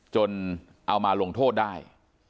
จนเอามาลงโทษได้